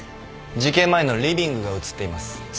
事件前のリビングが写っています。